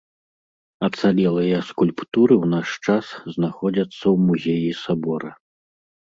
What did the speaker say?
Ацалелыя скульптуры ў наш час знаходзяцца ў музеі сабора.